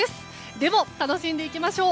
でも、楽しんでいきましょう。